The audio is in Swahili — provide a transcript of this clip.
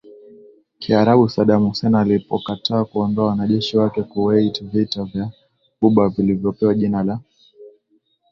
Kiarabu Saddam Hussein alipokataa kuondoa wanajeshi wake Kuwait Vita vya Ghuba vilivyopewa jina la